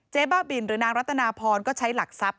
บ้าบินหรือนางรัตนาพรก็ใช้หลักทรัพย